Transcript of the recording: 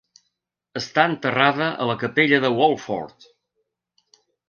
Està enterrada a la capella de Wolford.